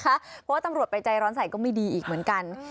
เพราะว่าตำรวจไปใจร้อนใส่ก็ไม่ดีอีกเหมือนกัน